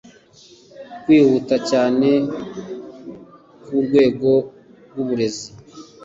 kwihuta cyane kw’urwego rw’uburezi